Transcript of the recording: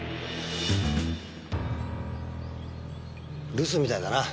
留守みたいだな。